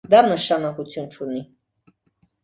Դա նշանակություն չունի։